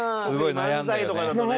特に漫才とかだとね。